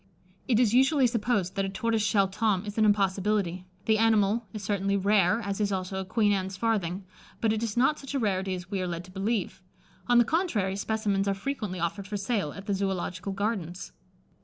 It is usually supposed that a tortoiseshell Tom is an impossibility. The animal is certainly rare, as is also a Queen Anne's farthing; but it is not such a rarity as we are led to believe. On the contrary, specimens are frequently offered for sale at the Zoological Gardens.